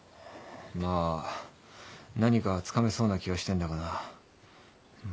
まあ何かつかめそうな気はしてんだがなまだだな。